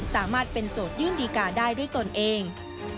สามารถเป็นโจทยื่นดีการ์ได้ด้วยตนเอง